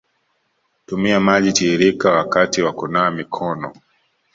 tumia maji tiririka wakati wa kunawa mikono